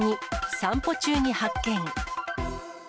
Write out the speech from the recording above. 散歩中に発見。